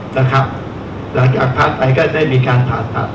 และหลักจากภาษฐ์ไปก็ได้มีการปราตรด